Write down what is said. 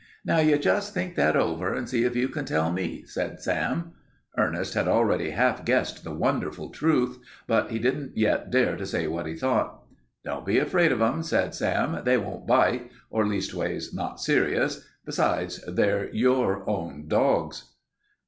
"Now you jest think that over, and see if you can tell me," said Sam. Ernest had already half guessed the wonderful truth, but he didn't yet dare to say what he thought. "Don't be afraid of 'em," said Sam. "They won't bite or leastways, not serious. Besides, they're your own dogs."